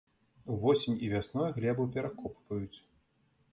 Увосень і вясной глебу перакопваюць.